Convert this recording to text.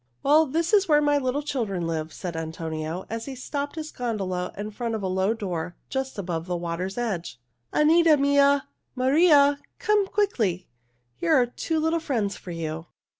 "Well, this is where my little children live," said Antonio, as he stopped his gondola in front of a low door just above the water's edge. "Anita mia! Maria! Come quickly! Here are two little friends for you."